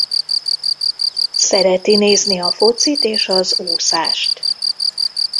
Szereti nézni a focit és az úszást.